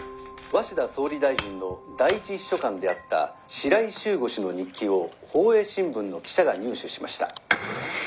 鷲田総理大臣の第一秘書官であった白井柊吾氏の日記を報栄新聞の記者が入手しました。